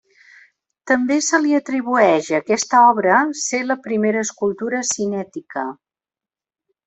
També se li atribueix a aquesta obra ser la primera escultura cinètica.